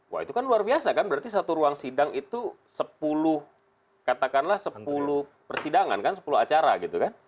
wah itu kan luar biasa kan berarti satu ruang sidang itu sepuluh katakanlah sepuluh persidangan kan sepuluh acara gitu kan